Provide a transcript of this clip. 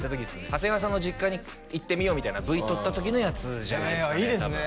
長谷川さんの実家に行ってみようみたいなＶ撮った時のやつへえいいですね